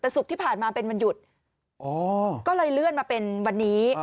แต่ศุกร์ที่ผ่านมาเป็นวันหยุดก็เลยเลื่อนมาเป็นวันนี้